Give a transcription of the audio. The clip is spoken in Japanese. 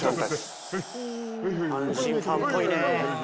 阪神ファンっぽいね。